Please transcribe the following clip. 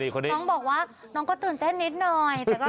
น้องบอกว่าน้องก็ตื่นเต้นนิดหน่อย